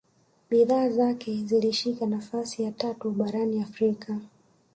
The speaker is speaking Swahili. bidhaa zake zilishika nafasi ya tatu barani afrika